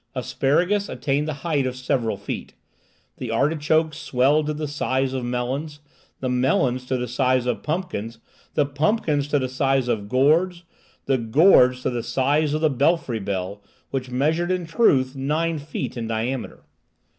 Asparagus attained the height of several feet; the artichokes swelled to the size of melons, the melons to the size of pumpkins, the pumpkins to the size of gourds, the gourds to the size of the belfry bell, which measured, in truth, nine feet in diameter.